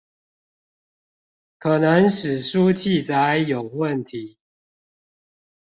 可能史書記載有問題